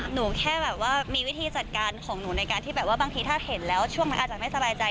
หนูแค่แบบว่ามีวิธีจัดการของหนูในการที่แบบว่าบางทีถ้าเห็นแล้วช่วงนั้นอาจจะไม่สบายใจ